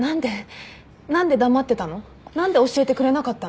何で教えてくれなかったの？